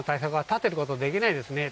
立てることはできないですね。